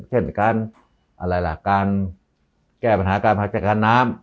เช่นการอะไรล่ะการแก้ปัญหาการจัดการน้ำ